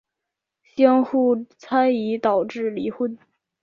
相互的猜疑导致离婚。